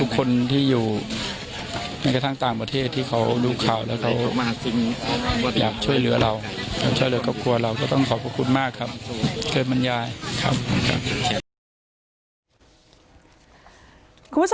คุณผู้ชมครับ